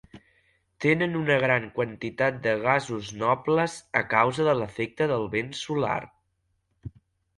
Tenen una gran quantitat de gasos nobles a causa de l'efecte del vent solar.